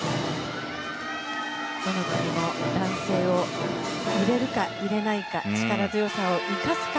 男性を入れるか入れないか力強さを生かすか。